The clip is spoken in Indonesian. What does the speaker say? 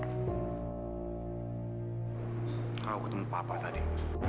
kamu ketemu papa tadi